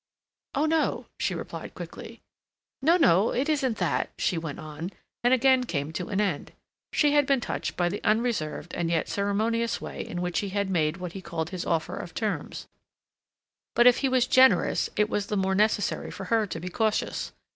"Oh no," she replied quickly. "No, no, it isn't that," she went on, and again came to an end. She had been touched by the unreserved and yet ceremonious way in which he had made what he called his offer of terms, but if he was generous it was the more necessary for her to be cautious.